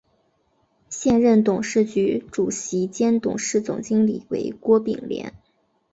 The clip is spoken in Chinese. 现任董事局主席兼董事总经理为郭炳联。